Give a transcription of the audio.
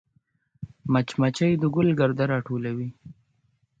مچمچۍ د ګل ګرده راټولوي